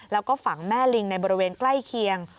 แล้วก็ฝังแม่ลิงในบริเวณใกล้เคียง